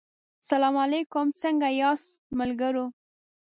سلا علیکم څنګه یاست ملګرو